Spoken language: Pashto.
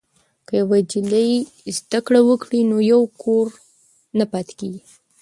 که یوه نجلۍ زده کړه وکړي نو یو کور نه پاتې کیږي.